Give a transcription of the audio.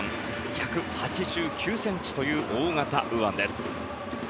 １８９ｃｍという大型右腕です。